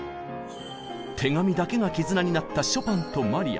手紙だけが絆になったショパンとマリア。